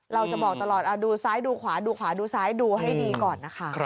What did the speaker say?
เราจะบอกตลอดดูซ้ายดูขวาดูขวาดูซ้ายดูให้ดีก่อนนะคะ